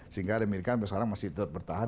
sehingga amerika sampai sekarang masih tetap bertahan